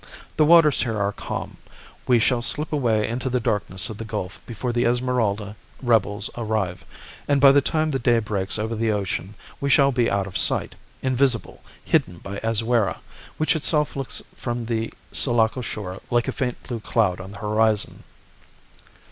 The waters here are calm. We shall slip away into the darkness of the gulf before the Esmeralda rebels arrive; and by the time the day breaks over the ocean we shall be out of sight, invisible, hidden by Azuera, which itself looks from the Sulaco shore like a faint blue cloud on the horizon.